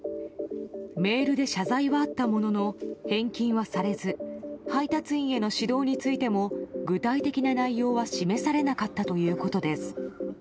メールで謝罪はあったものの返金はされず配達員への指導についても具体的な内容は示されなかったということです。